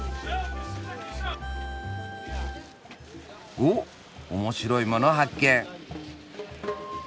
おっ面白いもの発見！